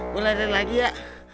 gue lari lagi ya